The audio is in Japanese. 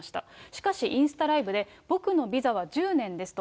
しかし、インスタライブで、僕のビザは１０年ですと。